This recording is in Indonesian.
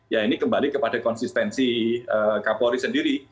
ya ini kembali kepada konsistensi kapolri sendiri